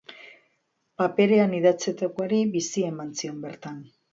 Paperean idatzitakoari bizia ematen zion bertan.